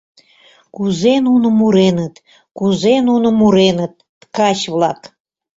Кузе нуно муреныт - кузе нуно муреныт, ткач-влак!